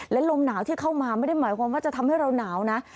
และลมหนาวที่เข้ามาไม่ได้หมายความว่าจะทำให้เราหนาวนะ